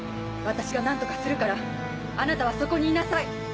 私が何とかするからあなたはそこにいなさい！